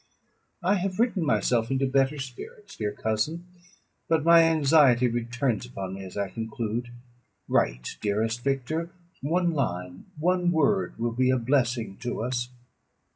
"I have written myself into better spirits, dear cousin; but my anxiety returns upon me as I conclude. Write, dearest Victor, one line one word will be a blessing to us.